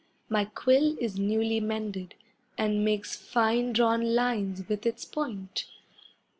My quill is newly mended, And makes fine drawn lines with its point.